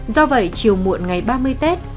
do vậy chiều muộn ngày ba mươi tết